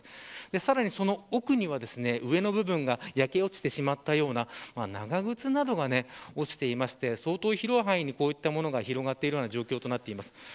さらにその奥には、上の部分が焼け落ちてしまったような長靴などが落ちていて相当広い範囲にこういったものが広がっている状況です。